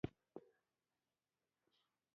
په دې کلي کي ناپوه طبیبان ډیر دي